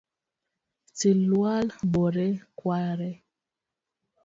Silwal bore kwar